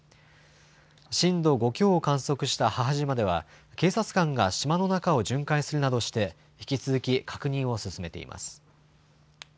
震度５強を観測した母島では警察官が島の中を巡回するなどして引き続き確認を進めています。